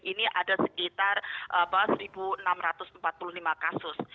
ini ada sekitar satu enam ratus empat puluh lima kasus